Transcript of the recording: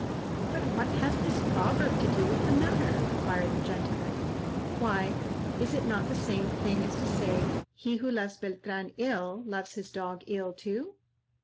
'" "But what has this proverb to do with the matter?" inquired the gentleman. "Why, is it not the same thing as to say, 'He who loves Beltran ill, loves his dog ill too?'